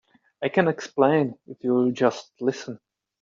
I can explain if you'll just listen.